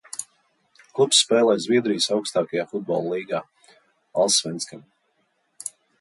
"Klubs spēlē Zviedrijas augstākajā futbola līgā "Allsvenskan"."